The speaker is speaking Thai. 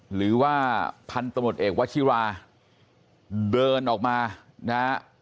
หรือว่าพันธมตเอกวชิราเดินออกมานะฮะ